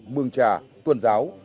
mường trà tuần giáo